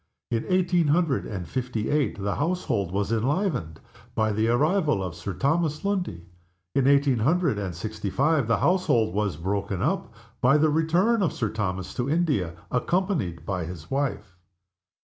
In eighteen hundred and fifty eight the household was enlivened by the arrival of Sir Thomas Lundie. In eighteen hundred and sixty five the household was broken up by the return of Sir Thomas to India, accompanied by his wife.